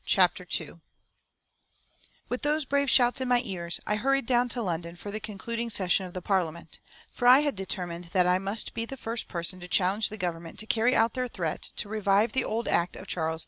CHAPTER II With those brave shouts in my ears, I hurried down to London for the concluding session of the parliament, for I had determined that I must be the first person to challenge the Government to carry out their threat to revive the old Act of Charles II.